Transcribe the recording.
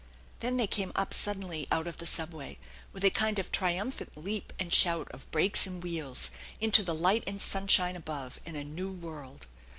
Then they came up suddenly out of the subway, with a kind of triumphant leap and shout of brakes and wheels, into the light and sunshine above, and a new world.